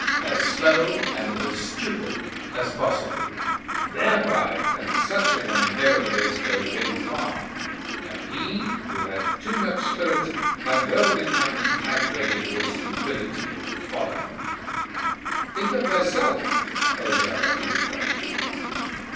As slow and as stupid as possible: THEREBY can such a one nevertheless go very far. And he who hath too much spirit might well become infatuated with stupidity and folly. Think of thyself, O Zarathustra!